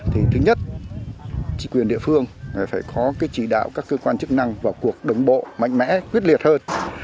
thì thứ nhất chính quyền địa phương phải có cái chỉ đạo các cơ quan chức năng vào cuộc đồng bộ mạnh mẽ quyết liệt hơn